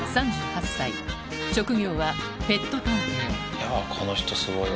いやこの人すごいわ。